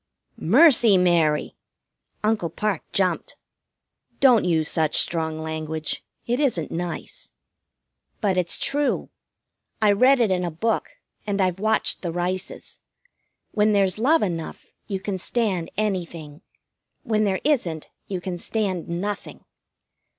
"Mercy, Mary!" Uncle Parke jumped. "Don't use such strong language. It isn't nice." "But it's true. I read it in a book, and I've watched the Rices. When there's love enough you can stand anything. When there isn't, you can stand nothing.